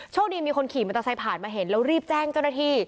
คดีมีคนขี่มอเตอร์ไซค์ผ่านมาเห็นแล้วรีบแจ้งเจ้าหน้าที่